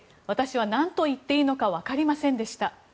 私は何と言っていいのか分かりませんでした。